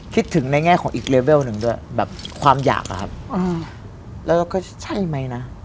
คิดถึงในแง่ของอีกเลเวลหนึ่งด้วยแบบความอยากอะครับแล้วก็ใช่ไหมนะ